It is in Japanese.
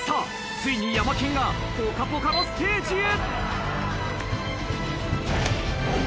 ついにヤマケンが『ぽかぽか』のステージへ。